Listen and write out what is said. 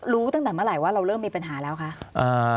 รู้ตั้งแต่เมื่อไหร่ว่าเราเริ่มมีปัญหาแล้วคะ